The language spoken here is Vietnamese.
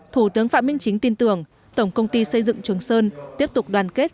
thủ tướng phạm minh chính tin tưởng tổng công ty xây dựng trường sơn tiếp tục đoàn kết